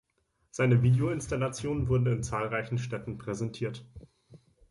Seine Videoinstallationen wurden in zahlreichen Städten präsentiert.